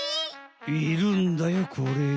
いるんだよこれが。